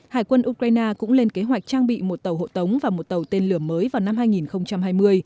hải quân ukraine cũng lên kế hoạch trang bị một tàu hộ tống và một tàu tên lửa mới vào năm hai nghìn hai mươi